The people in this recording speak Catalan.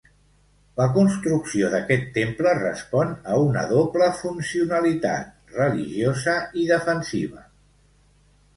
La construcció d'aquest temple respon a una doble funcionalitat: religiosa i defensiva.